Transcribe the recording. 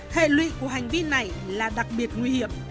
hệ lụy của hành vi này là đặc biệt nguy hiểm